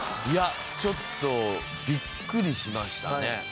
いやちょっとビックリしましたね。